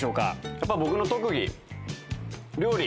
やっぱ僕の特技、料理。